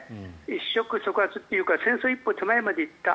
一触即発というか戦争一歩手前まで行った。